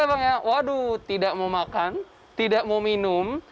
orangnya waduh tidak mau makan tidak mau minum